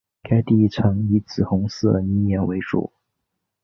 该地层以紫红色泥岩为主。